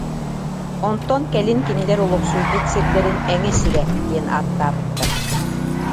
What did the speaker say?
Онтон кэлин кинилэр олохсуйбут сирдэрин Эҥэ сирэ диэн ааттаабыттар